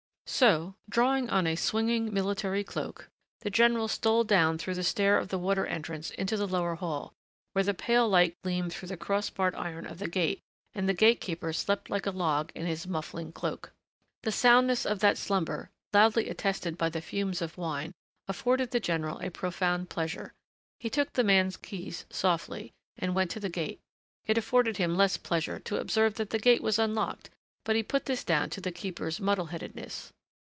So drawing on a swinging military cloak, the general stole down through the stair of the water entrance into the lower hall, where the pale light gleamed through the cross barred iron of the gate and the gatekeeper slept like a log in his muffling cloak. The soundness of that slumber loudly attested by the fumes of wine afforded the general a profound pleasure. He took the man's keys softly, and went to the gate; it afforded him less pleasure to observe that the gate was unlocked, but he put this down to the keeper's muddleheadedness.